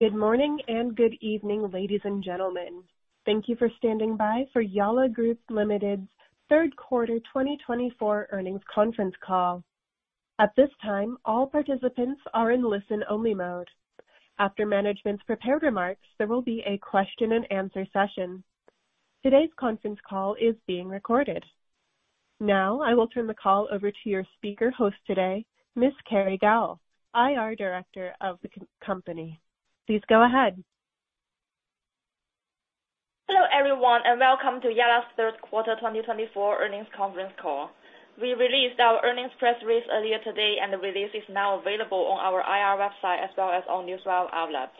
Good morning and good evening, ladies and gentlemen. Thank you for standing by for Yalla Group Limited third quarter 2024 earnings conference call. At this time, all participants are in listen-only mode. After management's prepared remarks, there will be a question-and-answer session. Today's conference call is being recorded. Now, I will turn the call over to your speaker host today, Ms. Kerry Gao, IR Director of the company. Please go ahead. Hello, everyone, and Welcome to Yalla's third quarter 2024 earnings conference call. We released our earnings press release earlier today, and the release is now available on our IR website as well as on newswire outlets.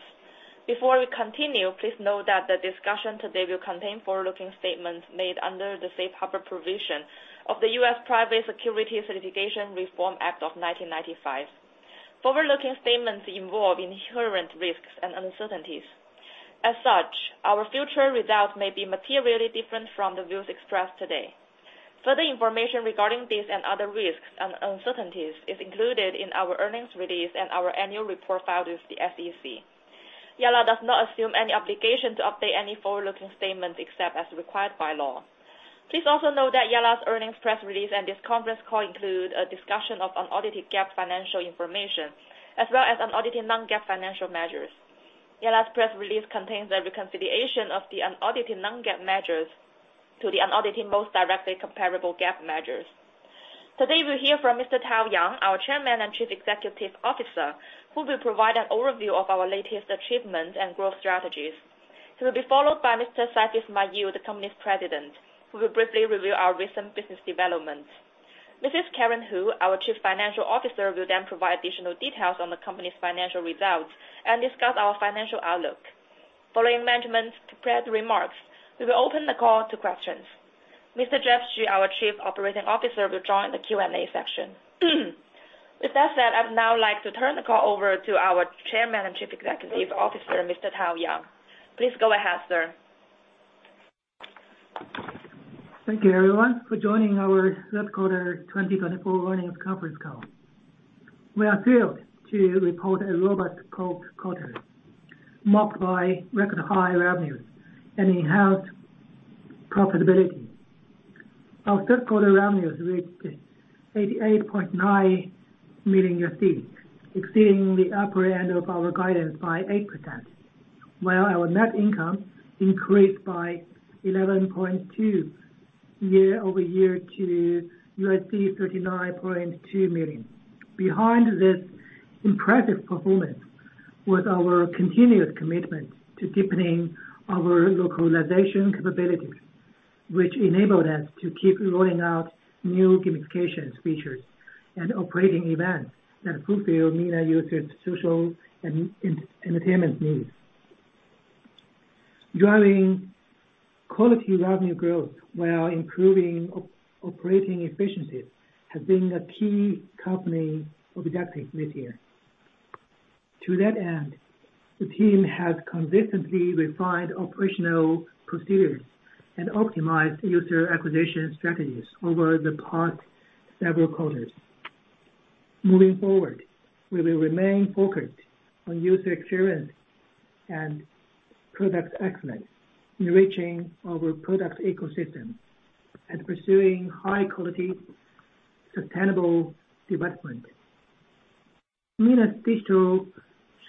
Before we continue, please note that the discussion today will contain forward-looking statements made under the safe harbor provision of the U.S. Private Securities Litigation Reform Act of 1995. Forward-looking statements involve inherent risks and uncertainties. As such, our future results may be materially different from the views expressed today. Further information regarding these and other risks and uncertainties is included in our earnings release and our annual report filed with the SEC. Yalla does not assume any obligation to update any forward-looking statements except as required by law. Please also note that Yalla's earnings press release and this conference call include a discussion of unaudited GAAP financial information as well as unaudited non-GAAP financial measures. Yalla's press release contains a reconciliation of the unaudited non-GAAP measures to the unaudited most directly comparable GAAP measures. Today, we'll hear from Mr. Tao Yang, our Chairman and Chief Executive Officer, who will provide an overview of our latest achievements and growth strategies. He will be followed by Mr. Saifi Ismail, the company's president, who will briefly review our recent business developments. Mrs. Karen Hu, our Chief Financial Officer, will then provide additional details on the company's financial results and discuss our financial outlook. Following management's prepared remarks, we will open the call to questions. Mr. Jeff Xu, our Chief Operating Officer, will join the Q&A section. With that said, I'd now like to turn the call over to our Chairman and Chief Executive Officer, Mr. Tao Yang. Please go ahead, sir. Thank you, everyone, for joining our third quarter 2024 earnings conference call. We are thrilled to report a robust quarter marked by record-high revenues and enhanced profitability. Our third quarter revenues reached $88.9 million, exceeding the upper end of our guidance by 8%, while our net income increased by 11.2% year-over-year to $39.2 million. Behind this impressive performance was our continuous commitment to deepening our localization capabilities, which enabled us to keep rolling out new gamification features and operating events that fulfill MENA users' social and entertainment needs. Driving quality revenue growth while improving operating efficiencies has been a key company objective this year. To that end, the team has consistently refined operational procedures and optimized user acquisition strategies over the past several quarters. Moving forward, we will remain focused on user experience and product excellence, enriching our product ecosystem and pursuing high-quality, sustainable development. MENA's digital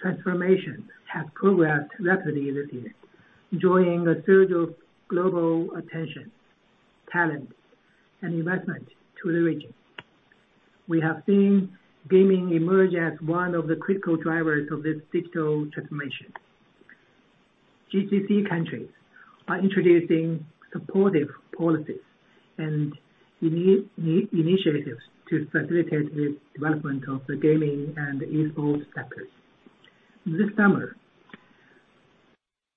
transformation has progressed rapidly this year, drawing a surge of global attention, talent, and investment to the region. We have seen gaming emerge as one of the critical drivers of this digital transformation. GCC countries are introducing supportive policies and initiatives to facilitate the development of the gaming and esports sectors. This summer,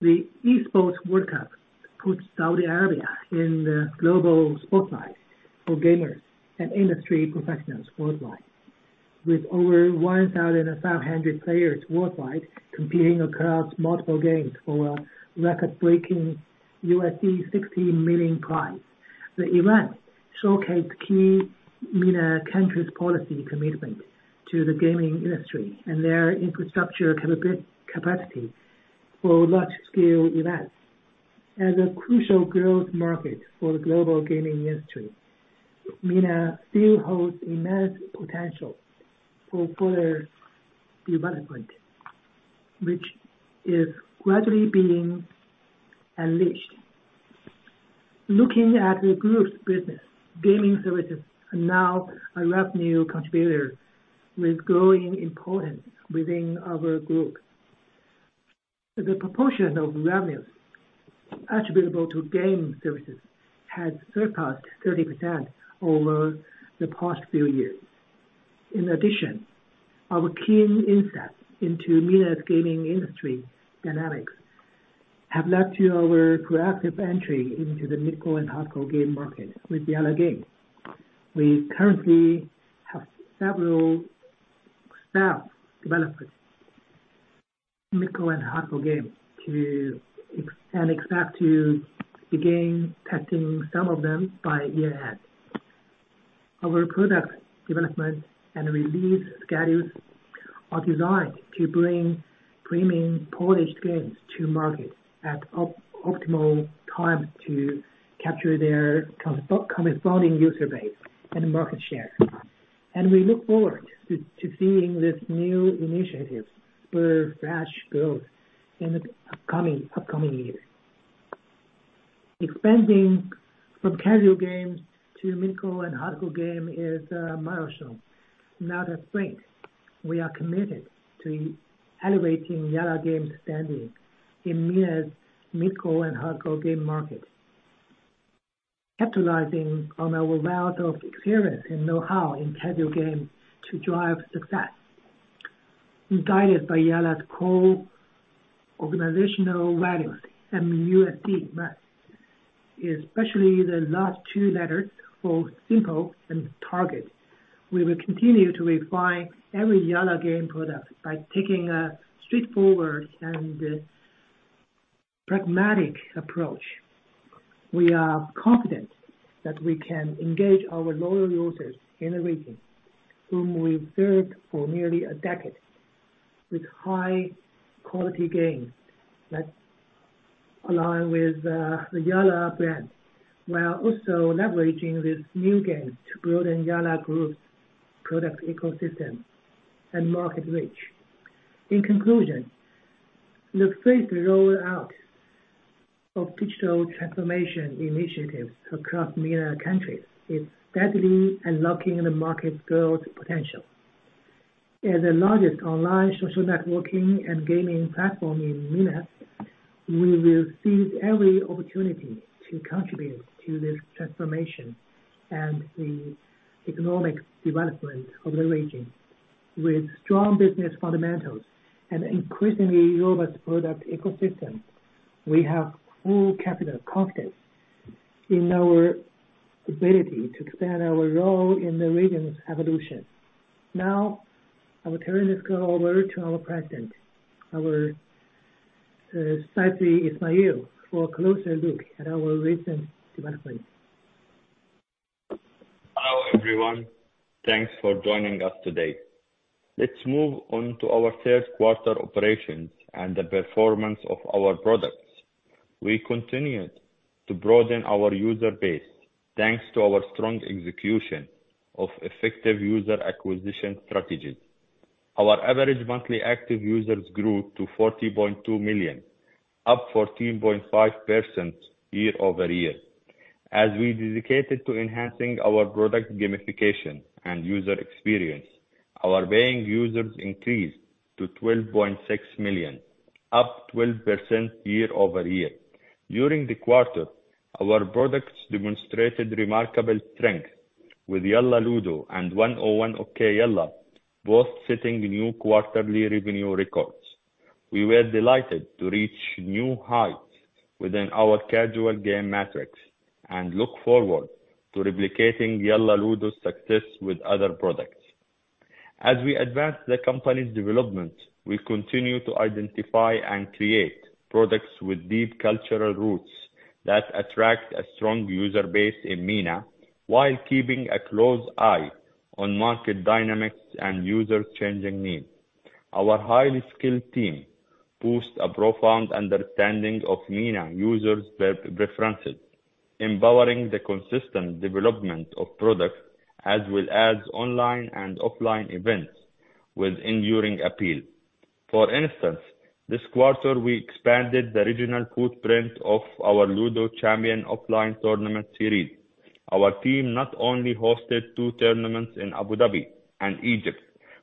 the esports World Cup puts Saudi Arabia in the global spotlight for gamers and industry professionals worldwide, with over 1,500 players worldwide competing across multiple games for a record-breaking $60 million prize. The event showcased key MENA countries' policy commitment to the gaming industry and their infrastructure capacity for large-scale events. As a crucial growth market for the global gaming industry, MENA still holds immense potential for further development, which is gradually being unleashed. Looking at the group's business, gaming services are now a revenue contributor with growing importance within our group. The proportion of revenues attributable to gaming services has surpassed 30% over the past few years. In addition, our keen insights into MENA's gaming industry dynamics have led to our proactive entry into the mid-core and hardcore game market with Yalla Games. We currently have several staff developers in mid-core and hardcore games and expect to begin testing some of them by year-end. Our product development and release schedules are designed to bring premium polished games to market at optimal times to capture their corresponding user base and market share, and we look forward to seeing this new initiative spur fresh growth in the upcoming years. Expanding from casual games to mid-core and hardcore games is a milestone of note. We are committed to elevating Yalla Games' standing in MENA's mid-core and hardcore game market, capitalizing on our wealth of experience and know-how in casual games to drive success. Guided by Yalla's core organizational values and M.U.S.T., especially the last two letters, both simple and target, we will continue to refine every Yalla game product by taking a straightforward and pragmatic approach. We are confident that we can engage our loyal users in the region, whom we've served for nearly a decade, with high-quality games that align with the Yalla brand, while also leveraging these new games to broaden Yalla Group's product ecosystem and market reach. In conclusion, the fast roll-out of digital transformation initiatives across MENA countries is steadily unlocking the market's growth potential. As the largest online social networking and gaming platform in MENA, we will seize every opportunity to contribute to this transformation and the economic development of the region. With strong business fundamentals and increasingly robust product ecosystem, we have full capital confidence in our ability to expand our role in the region's evolution. Now, I will turn this call over to our President, Saifi Ismail, for a closer look at our recent developments. Hello, everyone. Thanks for joining us today. Let's move on to our third quarter operations and the performance of our products. We continued to broaden our user base thanks to our strong execution of effective user acquisition strategies. Our average monthly active users grew to 40.2 million, up 14.5% year-over-year. As we dedicated to enhancing our product gamification and user experience, our paying users increased to 12.6 million, up 12% year-over-year. During the quarter, our products demonstrated remarkable strength, with Yalla Ludo and 101 Okey Yalla both setting new quarterly revenue records. We were delighted to reach new heights within our casual game metrics and look forward to replicating Yalla Ludo's success with other products. As we advance the company's development, we continue to identify and create products with deep cultural roots that attract a strong user base in MENA while keeping a close eye on market dynamics and user-changing needs. Our highly skilled team boasts a profound understanding of MENA users' preferences, empowering the consistent development of products as well as online and offline events with enduring appeal. For instance, this quarter, we expanded the regional footprint of our Ludo Champion offline tournament series. Our team not only hosted two tournaments in Abu Dhabi and Egypt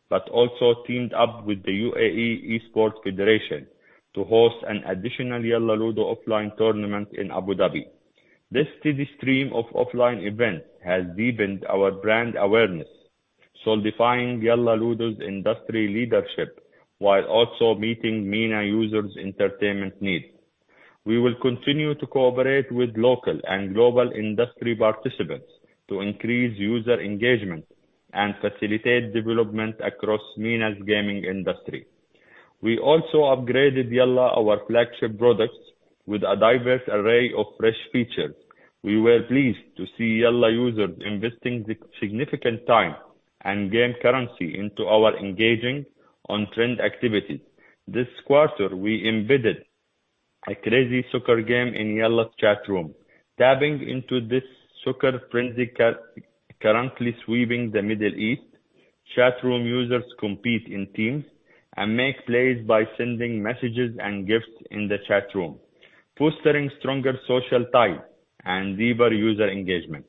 but also teamed up with the UAE Esports Federation to host an additional Yalla Ludo offline tournament in Abu Dhabi. This steady stream of offline events has deepened our brand awareness, solidifying Yalla Ludo's industry leadership while also meeting MENA users' entertainment needs. We will continue to cooperate with local and global industry participants to increase user engagement and facilitate development across MENA's gaming industry. We also upgraded Yalla, our flagship product, with a diverse array of fresh features. We were pleased to see Yalla users investing significant time and game currency into our engaging, on-trend activities. This quarter, we embedded a Crazy Soccer game in Yalla's chat room. Tapping into this soccer frenzy currently sweeping the Middle East, chat room users compete in teams and make plays by sending messages and gifts in the chat room, fostering stronger social ties and deeper user engagement.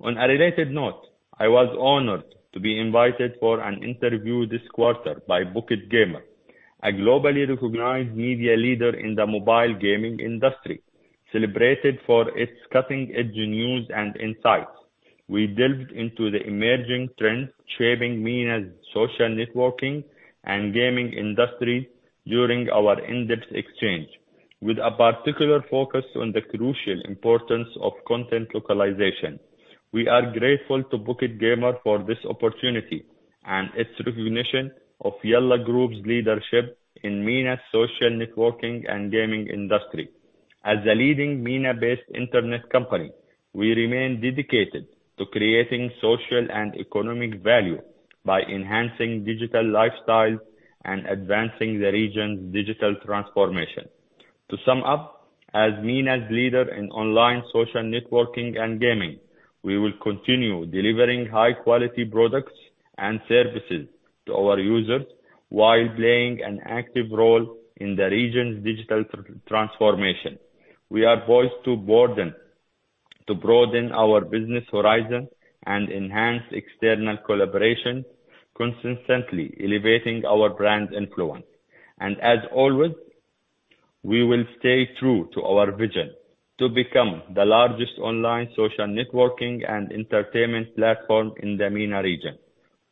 On a related note, I was honored to be invited for an interview this quarter by Pocket Gamer, a globally recognized media leader in the mobile gaming industry, celebrated for its cutting-edge news and insights. We delved into the emerging trends shaping MENA's social networking and gaming industry during our in-depth exchange, with a particular focus on the crucial importance of content localization. We are grateful to Pocket Gamer for this opportunity and its recognition of Yalla Group's leadership in MENA's social networking and gaming industry. As a leading MENA-based internet company, we remain dedicated to creating social and economic value by enhancing digital lifestyles and advancing the region's digital transformation. To sum up, as MENA's leader in online social networking and gaming, we will continue delivering high-quality products and services to our users while playing an active role in the region's digital transformation. We are poised to broaden our business horizons and enhance external collaborations, consistently elevating our brand influence. As always, we will stay true to our vision to become the largest online social networking and entertainment platform in the MENA region.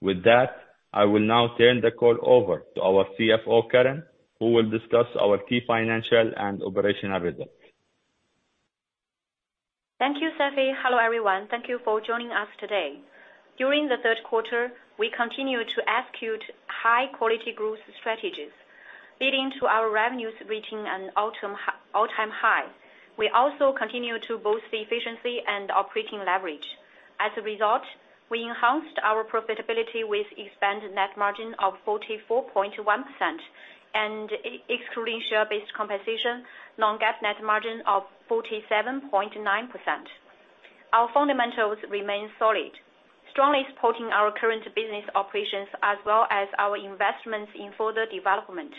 With that, I will now turn the call over to our CFO, Karen, who will discuss our key financial and operational results. Thank you, Saifi. Hello, everyone. Thank you for joining us today. During the third quarter, we continued to execute high-quality growth strategies, leading to our revenues reaching an all-time high. We also continued to boost efficiency and operating leverage. As a result, we enhanced our profitability with expanded net margin of 44.1% and excluding share-based compensation, non-GAAP net margin of 47.9%. Our fundamentals remain solid, strongly supporting our current business operations as well as our investments in further development.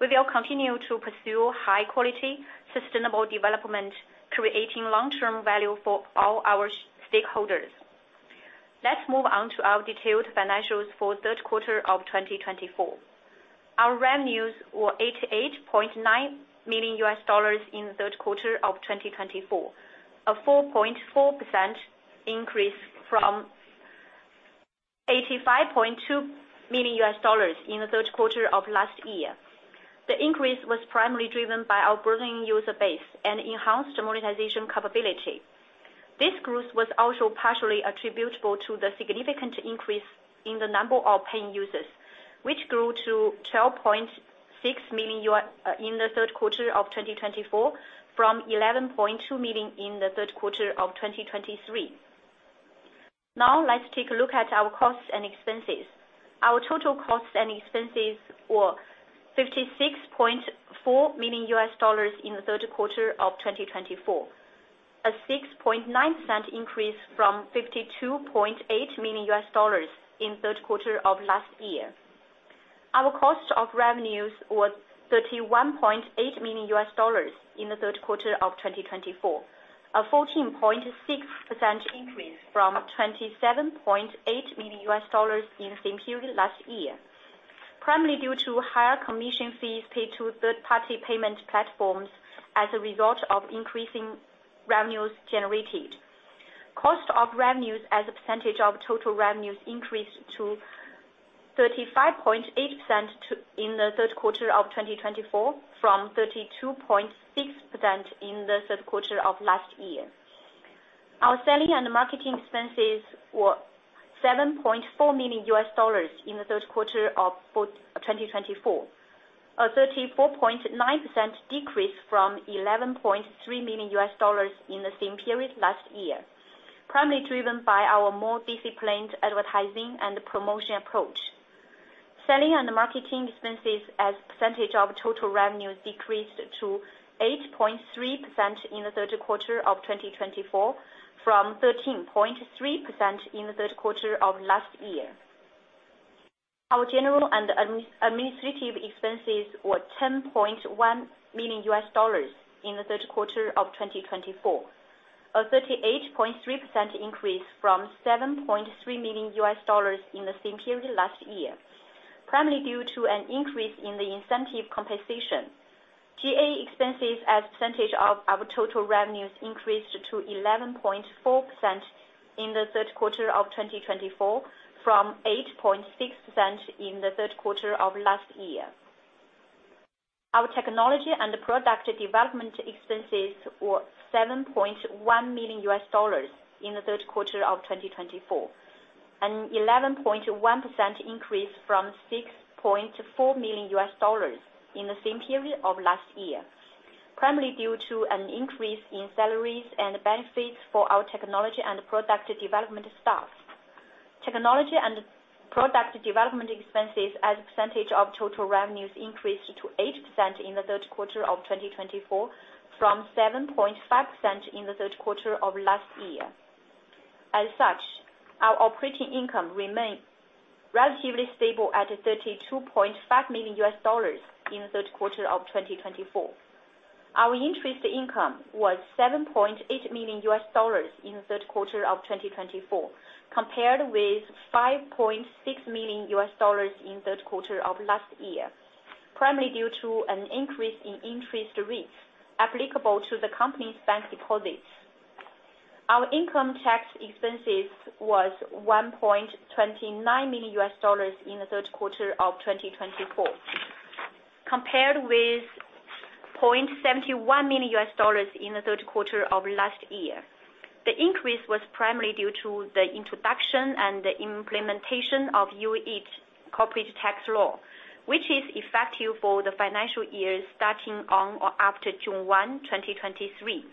We will continue to pursue high-quality, sustainable development, creating long-term value for all our stakeholders. Let's move on to our detailed financials for the third quarter of 2024. Our revenues were $88.9 million in the third quarter of 2024, a 4.4% increase from $85.2 million in the third quarter of last year. The increase was primarily driven by our broadening user base and enhanced monetization capability. This growth was also partially attributable to the significant increase in the number of paying users, which grew to 12.6 million in the third quarter of 2024 from 11.2 million in the third quarter of 2023. Now, let's take a look at our costs and expenses. Our total costs and expenses were $56.4 million in the third quarter of 2024, a 6.9% increase from $52.8 million in the third quarter of last year. Our cost of revenues were $31.8 million in the third quarter of 2024, a 14.6% increase from $27.8 million in the same period last year, primarily due to higher commission fees paid to third-party payment platforms as a result of increasing revenues generated. Cost of revenues as a percentage of total revenues increased to 35.8% in the third quarter of 2024 from 32.6% in the third quarter of last year. Our selling and marketing expenses were $7.4 million in the third quarter of 2024, a 34.9% decrease from $11.3 million in the same period last year, primarily driven by our more disciplined advertising and promotion approach. Selling and marketing expenses as a percentage of total revenues decreased to 8.3% in the third quarter of 2024 from 13.3% in the third quarter of last year. Our general and administrative expenses were $10.1 million in the third quarter of 2024, a 38.3% increase from $7.3 million in the same period last year, primarily due to an increase in the incentive compensation. G&A expenses as a percentage of our total revenues increased to 11.4% in the third quarter of 2024 from 8.6% in the third quarter of last year. Our technology and product development expenses were $7.1 million in the third quarter of 2024, an 11.1% increase from $6.4 million in the same period of last year, primarily due to an increase in salaries and benefits for our technology and product development staff. Technology and product development expenses as a percentage of total revenues increased to 8% in the third quarter of 2024 from 7.5% in the third quarter of last year. As such, our operating income remained relatively stable at $32.5 million in the third quarter of 2024. Our interest income was $7.8 million in the third quarter of 2024, compared with $5.6 million in the third quarter of last year, primarily due to an increase in interest rates applicable to the company's bank deposits. Our income tax expenses were $1.29 million in the third quarter of 2024, compared with $0.71 million in the third quarter of last year. The increase was primarily due to the introduction and implementation of UAE Corporate Tax Law, which is effective for the financial year starting on or after June 1, 2023.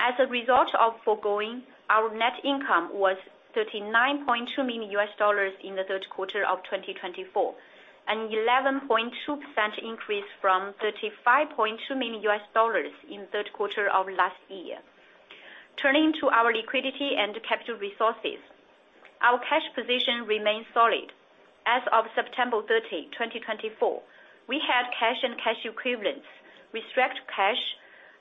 As a result of the foregoing, our net income was $39.2 million in the third quarter of 2024, an 11.2% increase from $35.2 million in the third quarter of last year. Turning to our liquidity and capital resources, our cash position remained solid. As of September 30, 2024, we had cash and cash equivalents, restricted cash,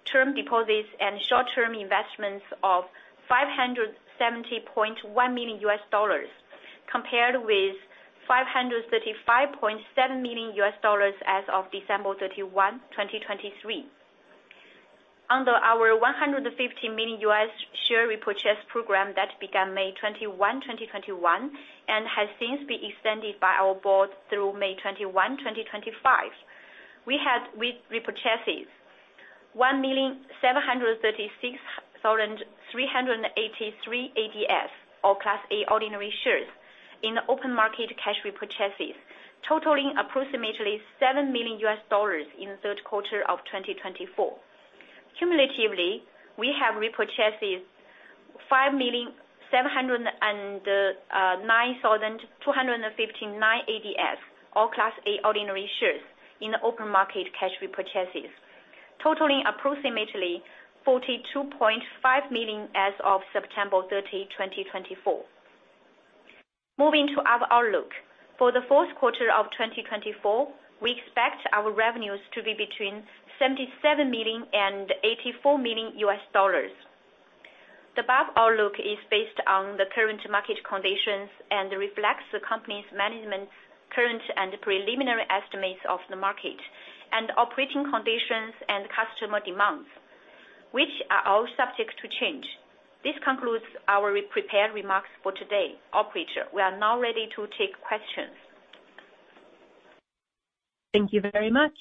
term deposits, and short-term investments of $570.1 million, compared with $535.7 million as of December 31, 2023. Under our $150 million share repurchase program that began May 21, 2021, and has since been extended by our board through May 21, 2025, we had repurchases 1,736,383 ADS, or Class A ordinary shares, in open market cash repurchases, totaling approximately $7 million in the third quarter of 2024. Cumulatively, we have repurchases 5,709,259 ADS, or Class A ordinary shares, in open market cash repurchases, totaling approximately $42.5 million as of September 30, 2024. Moving to our outlook, for the fourth quarter of 2024, we expect our revenues to be between $77 million and $84 million. The above outlook is based on the current market conditions and reflects the company's management's current and preliminary estimates of the market and operating conditions and customer demands, which are all subject to change. This concludes our prepared remarks for today. Operator, we are now ready to take questions. Thank you very much.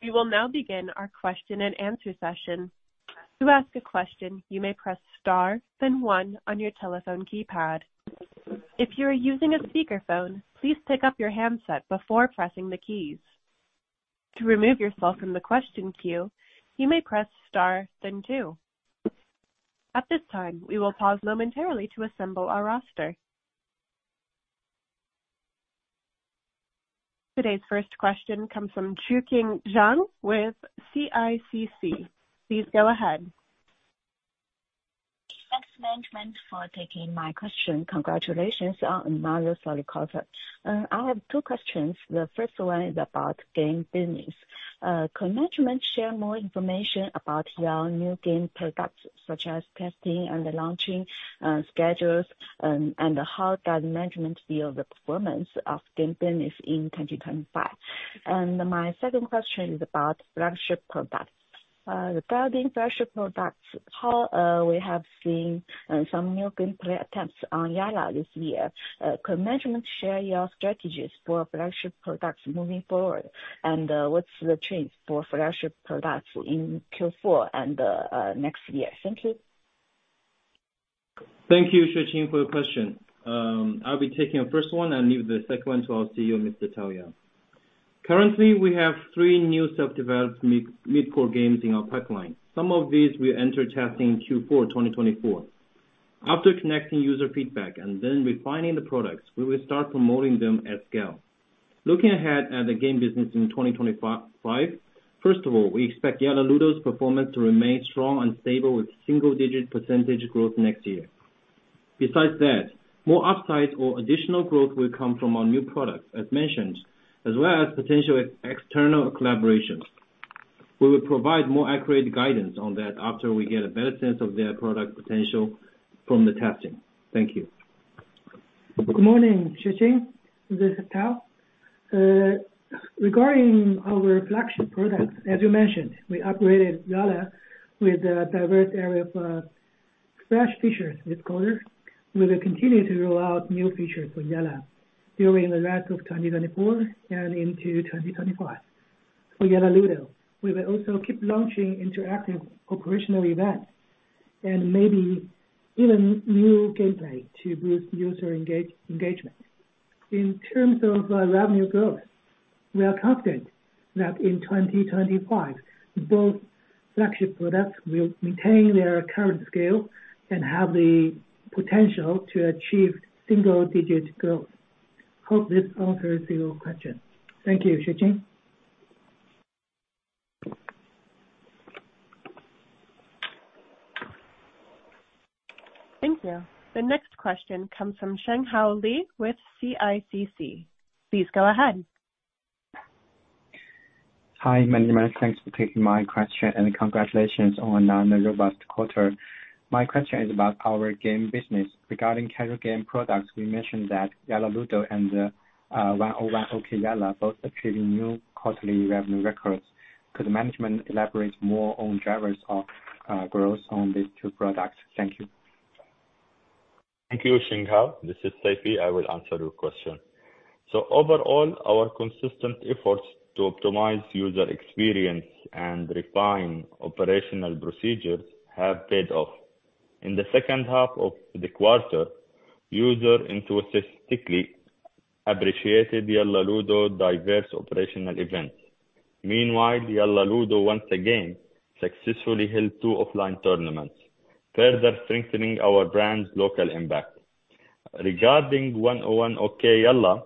We will now begin our question-and-answer session. To ask a question, you may press Star, then one on your telephone keypad. If you are using a speakerphone, please pick up your handset before pressing the keys. To remove yourself from the question queue, you may press Star, then two. At this time, we will pause momentarily to assemble our roster. Today's first question comes from Xueqing Zhang with CICC. Please go ahead. Thanks, Management, for taking my question. Congratulations on the strong quarter. I have two questions. The first one is about game business. Could Management share more information about Yalla's new game products, such as testing and launching schedules, and how does Management feel about the performance of game business in 2025? And my second question is about flagship products. Regarding flagship products, we have seen some new gameplay attempts on Yalla this year. Could Management share your strategies for flagship products moving forward, and what's the trends for flagship products in Q4 and next year? Thank you. Thank you, Xueqing, for your question. I'll be taking the first one, and leave the second one to our CEO, Mr. Tao Yang. Currently, we have three new self-developed mid-core games in our pipeline. Some of these will enter testing in Q4 2024. After collecting user feedback and then refining the products, we will start promoting them at scale. Looking ahead at the game business in 2025, first of all, we expect Yalla Ludo's performance to remain strong and stable with single-digit % growth next year. Besides that, more upsides or additional growth will come from our new products, as mentioned, as well as potential external collaborations. We will provide more accurate guidance on that after we get a better sense of their product potential from the testing. Thank you. Good morning, Xueqing. This is Tao. Regarding our flagship products, as you mentioned, we upgraded Yalla with a diverse array of fresh features this quarter. We will continue to roll out new features for Yalla during the rest of 2024 and into 2025. For Yalla Ludo, we will also keep launching interactive operational events and maybe even new gameplay to boost user engagement. In terms of revenue growth, we are confident that in 2025, both flagship products will maintain their current scale and have the potential to achieve single-digit growth. Hope this answers your question. Thank you, Xueqing. Thank you. The next question comes from Chenghao Li with CICC. Please go ahead. Hi, Management. Thanks for taking my question, and congratulations on a robust quarter. My question is about our game business. Regarding core game products, we mentioned that Yalla Ludo and 101 Okey Yalla both achieved new quarterly revenue records. Could Management elaborate more on drivers of growth on these two products? Thank you. Thank you, Chenghao. This is Saifi. I will answer your question. So overall, our consistent efforts to optimize user experience and refine operational procedures have paid off. In the second half of the quarter, users enthusiastically appreciated Yalla Ludo's diverse operational events. Meanwhile, Yalla Ludo once again successfully held two offline tournaments, further strengthening our brand's local impact. Regarding 101 Okey Yalla,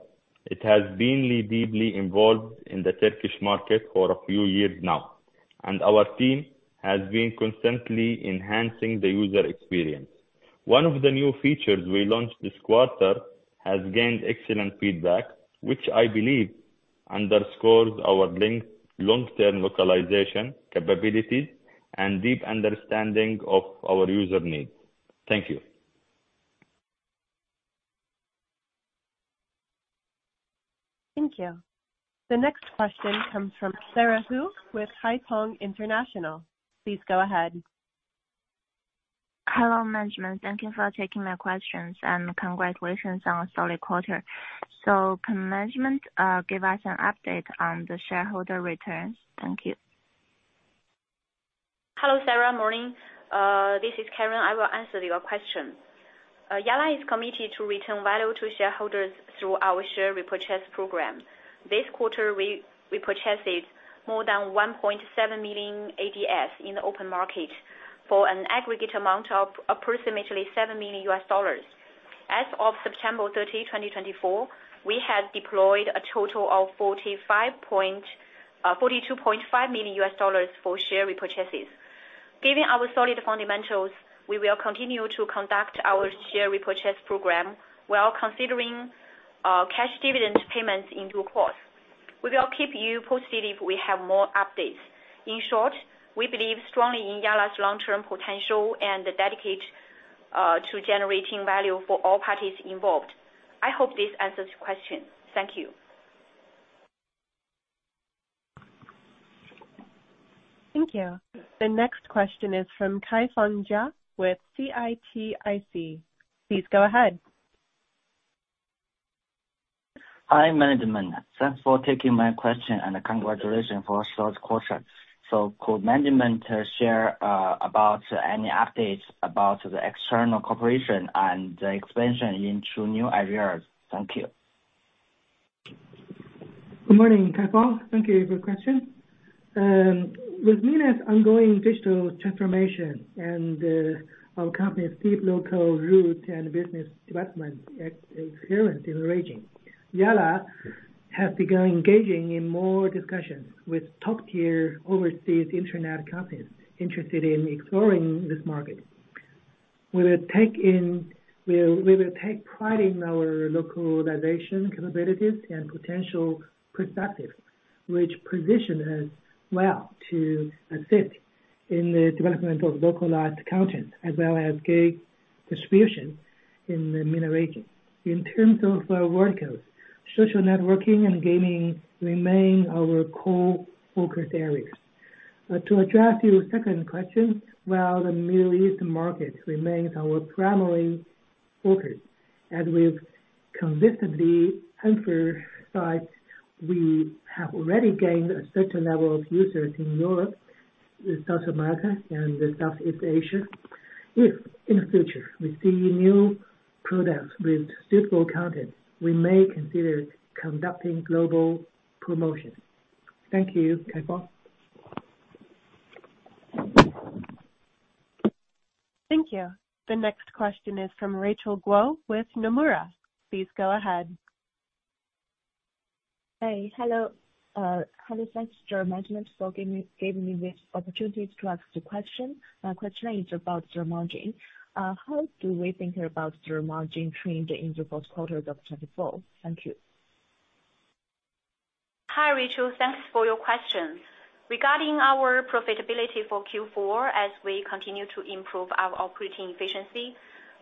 it has been deeply involved in the Turkish market for a few years now, and our team has been constantly enhancing the user experience. One of the new features we launched this quarter has gained excellent feedback, which I believe underscores our long-term localization capabilities and deep understanding of our user needs. Thank you. Thank you. The next question comes from Sarah Hu with Haitong International. Please go ahead. Hello, Management. Thank you for taking my questions, and congratulations on a solid quarter. So can Management give us an update on the shareholder returns? Thank you. Hello, Sara. Morning. This is Karen. I will answer your question. Yalla is committed to return value to shareholders through our share repurchase program. This quarter, we repurchased more than 1.7 million ADS in the open market for an aggregate amount of approximately $7 million. As of September 30, 2024, we had deployed a total of $42.5 million for share repurchases. Given our solid fundamentals, we will continue to conduct our share repurchase program while considering cash dividend payments in due course. We will keep you posted if we have more updates. In short, we believe strongly in Yalla's long-term potential and are dedicated to generating value for all parties involved. I hope this answers your question. Thank you. Thank you. The next question is from Kaifang Jia with CITIC. Please go ahead. Hi, Management. Thanks for taking my question, and congratulations for a solid quarter. So could Management share any updates about the external cooperation and the expansion into new areas? Thank you. Good morning, Kaifang. Thank you for your question. With MENA's ongoing digital transformation and our company's deep local roots and business development experience in the region, Yalla has begun engaging in more discussions with top-tier overseas internet companies interested in exploring this market. We will take pride in our localization capabilities and potential perspectives, which position us well to assist in the development of localized content as well as app distribution in the MENA region. In terms of our verticals, social networking and gaming remain our core focus areas. To address your second question, while the Middle East market remains our primary focus, as we've consistently emphasized, we have already gained a certain level of users in Europe, South America, and Southeast Asia. If in the future we see new products with suitable content, we may consider conducting global promotion. Thank you, Kaifang. Thank you. The next question is from Rachel Guo with Nomura. Please go ahead. Hi, thanks to Management for giving me this opportunity to ask the question. My question is about the margin. How do we think about the margin trend in the fourth quarter of 2024? Thank you. Hi, Rachel. Thanks for your question. Regarding our profitability for Q4, as we continue to improve our operating efficiency,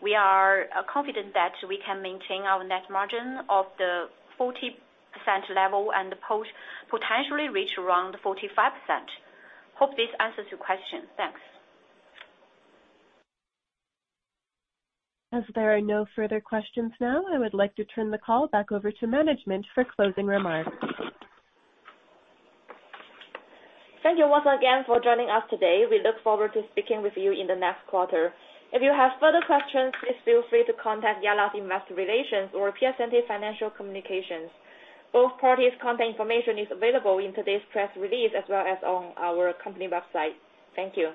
we are confident that we can maintain our net margin of the 40% level and potentially reach around 45%. Hope this answers your question. Thanks. As there are no further questions now, I would like to turn the call back over to Management for closing remarks. Thank you once again for joining us today. We look forward to speaking with you in the next quarter. If you have further questions, please feel free to contact Yalla's Investor Relations or Piacente Financial Communications. Both parties' contact information is available in today's press release as well as on our company website. Thank you.